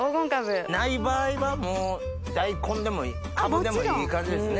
ない場合はダイコンでもカブでもいい感じですね。